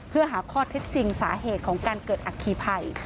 เพื่อหาข้อเท็จจริงสาเหตุของการเกิดอัคคีภัย